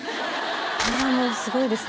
もうすごいですね